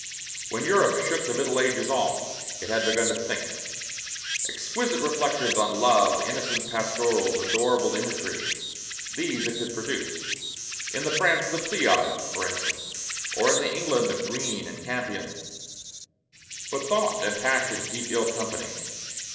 When Europe shook the Middle Ages off, it had begun to think. Exquisite reflections on love, innocent pastorals, adorable imagery, these it could produce; in the France of the Pleiade for instance, or in the England of Greene and Campion: but thought and passion keep ill company.